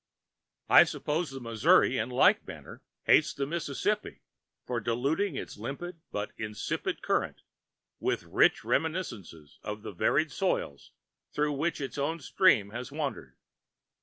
I suppose the Missouri in like manner hates the Mississippi for diluting with its limpid, but insipid current the rich reminiscences of the varied soils through which its own stream has wandered.